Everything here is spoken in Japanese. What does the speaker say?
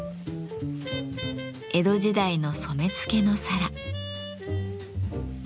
江戸時代の染付の皿。